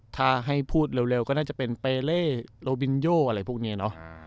ถ้าให้พูดเร็วก็น่าจะเป็นเปเล่โลบินโยอะไรพวกนี้เนอะ